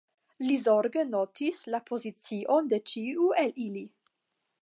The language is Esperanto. Li zorge notis la pozicion de ĉiu el ili.